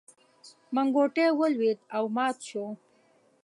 منګوټی ولوېد او مات شو.